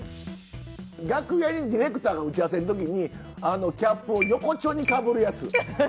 楽屋のディレクターと打ち合わせの時にキャップを横っちょにかぶるやつ。